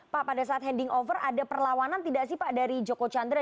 pak pada saat ending offer ada perlawanan tidak sih pak dari joko candra